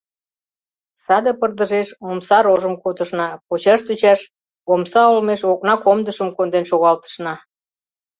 Саде пырдыжеш омса рожым кодышна, почаш-тӱчаш омса олмеш окна комдышым конден шогалтышна.